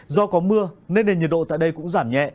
do có mưa nên nền nhiệt độ tại đây cũng giảm nhẹ